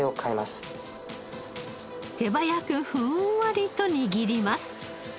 手早くふんわりと握ります。